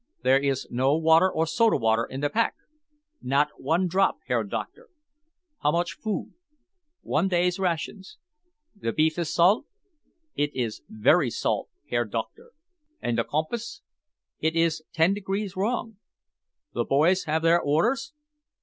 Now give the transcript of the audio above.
"There is no water or soda water in the pack?" "Not one drop, Herr Doctor." "How much food?" "One day's rations." "The beef is salt?" "It is very salt, Herr Doctor." "And the compass?" "It is ten degrees wrong." "The boys have their orders?"